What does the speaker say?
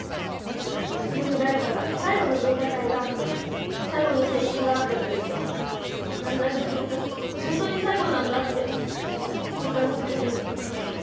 よく誰かが「最後の文化祭だ」とか「最後の青春だ」とか言うけどだんだん自分でもホントに最後なんだって実感するようになってきて。